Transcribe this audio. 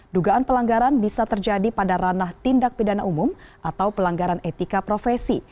dugaan pelanggaran bisa terjadi pada ranah tindak pidana umum atau pelanggaran etika profesi